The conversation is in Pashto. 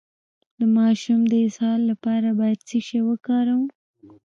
د ماشوم د اسهال لپاره باید څه شی وکاروم؟